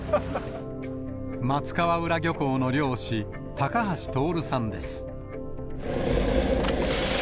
松川浦漁港の漁師、高橋通さんです。